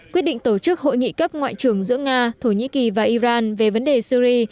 quyết định tổ chức hội nghị cấp ngoại trưởng giữa nga thổ nhĩ kỳ và iran về vấn đề syri